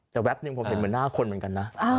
แต่แป๊บหนึ่งผมเห็นเหมือนหน้าคนเหมือนกันนะ